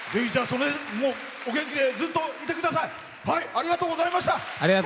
お元気でずっといてください。